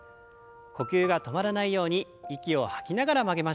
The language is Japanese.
呼吸が止まらないように息を吐きながら曲げましょう。